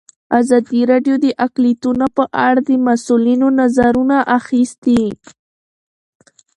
ازادي راډیو د اقلیتونه په اړه د مسؤلینو نظرونه اخیستي.